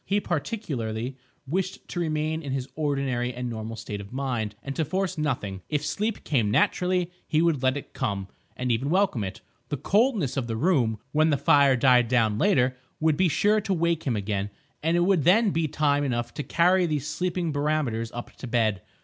He particularly wished to remain in his ordinary and normal state of mind, and to force nothing. If sleep came naturally, he would let it come—and even welcome it. The coldness of the room, when the fire died down later, would be sure to wake him again; and it would then be time enough to carry these sleeping barometers up to bed.